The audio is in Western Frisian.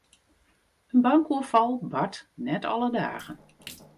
In bankoerfal bart net alle dagen.